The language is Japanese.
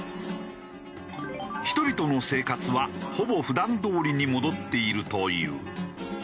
人々の生活はほぼ普段どおりに戻っているという。